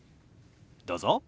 どうぞ。